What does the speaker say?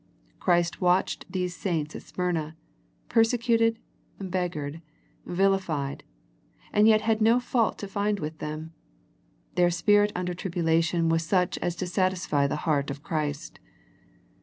Christ watched these saints at Smyrna, persecuted, beggared, vilified, and yet had no fault to find with them. Their spirit under tribulation was such as to satisfy the heart of Christ.